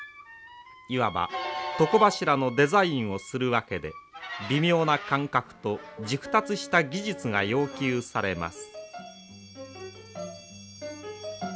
いわば床柱のデザインをするわけで微妙な感覚と熟達した技術が要求されます。